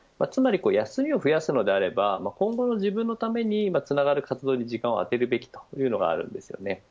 休みを増やすのであれば今後の自分のためにつながる活動に時間をあてるべきというものがあります。